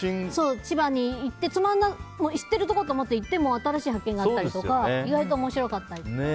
知ってるところだと思って行っても新しい発見があったりとか意外と面白かったり。